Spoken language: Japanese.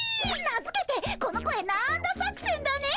名づけて「この声なんだ作戦」だね。